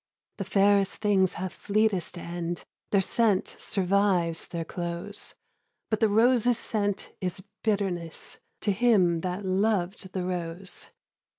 The fairest things have fleetest end: Their scent survives their close, But the rose's scent is bitterness To him that loved the rose!